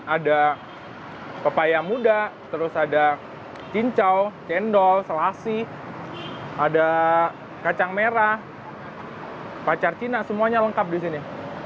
ada pepaya muda terus ada cincau cendol selasi ada kacang merah pacar cina semuanya lengkap di sini